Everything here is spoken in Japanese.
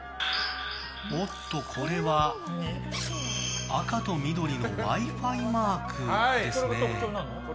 おっと、これは赤と緑のＷｉ‐Ｆｉマークですね。